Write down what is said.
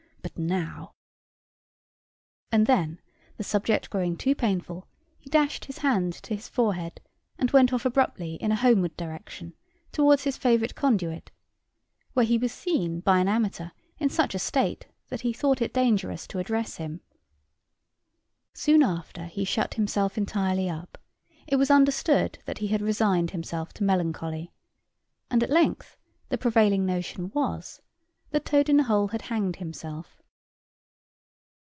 But now" and then, the subject growing too painful, he dashed his hand to his forehead, and went off abruptly in a homeward direction towards his favorite conduit, where he was seen by an amateur in such a state that he thought it dangerous to address him. Soon after he shut himself entirely up; it was understood that he had resigned himself to melancholy; and at length the prevailing notion was, that Toad in the hole had hanged himself.